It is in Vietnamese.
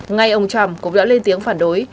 ngay ông trump cũng đã lên tiếng phản đối